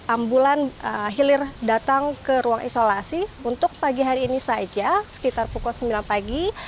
ambulan hilir datang ke ruang isolasi untuk pagi hari ini saja sekitar pukul sembilan pagi